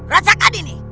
rasa kan ini